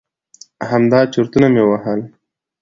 همدا چرتونه مې وهل.